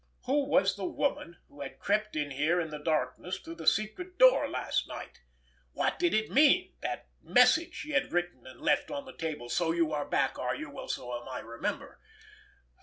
Who was the woman who had crept in here in the darkness through that secret door last night? What did it mean, that message she had written and left on the table? "So you are back, are you? Well, so am I! _Remember!